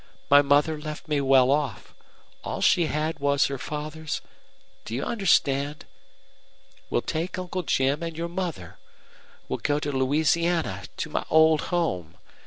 My mother left me well off. All she had was her father's Do you understand? We'll take Uncle Jim and your mother. We'll go to Louisiana to my old home.